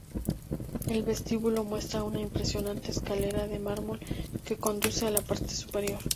El vestíbulo muestra una impresionante escalera de mármol que conduce a la parte superior.